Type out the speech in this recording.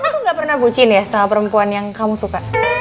aku gak pernah bucin ya sama perempuan yang kamu suka